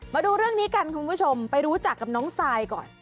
มาดูเรื่องนี้กันคุณผู้ชมไปรู้จักกับน้องซายก่อน